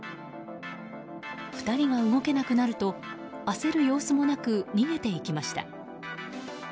２人が動けなくなると焦る様子もなく逃げていきました。